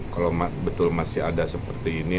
kalau betul masih ada seperti ini